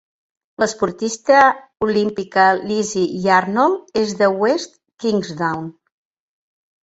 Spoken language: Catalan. L'esportista olímpica Lizzy Yarnold és de West Kingsdown.